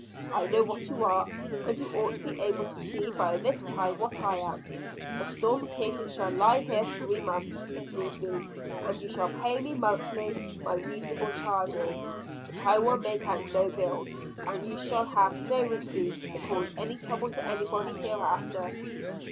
I know what you are, and you ought to be able to see by this time what I am. The Storm King shall lie here three months, if need be and you shall pay me monthly my reasonable charges. But I will make out no bill, and you shall have no receipt, to cause any trouble to anybody, hereafter."